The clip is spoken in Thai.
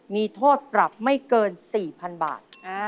มีโทษปรับไม่เกิน๔๐๐๐บาท